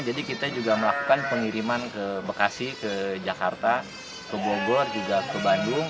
jadi kita juga melakukan pengiriman ke bekasi ke jakarta ke bogor juga ke bandung